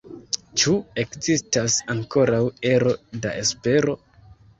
Ĉu ekzistas ankoraŭ ero da espero?